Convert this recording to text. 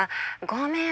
ごめん。